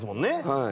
はい。